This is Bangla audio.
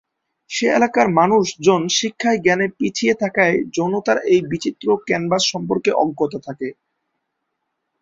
সে এলাকার মানুষ জন শিক্ষায় জ্ঞানে পিছিয়ে থাকায় যৌনতার এই বিচিত্র ক্যানভাস সম্পর্কে অজ্ঞাত থাকে।